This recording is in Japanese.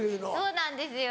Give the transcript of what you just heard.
そうなんですよ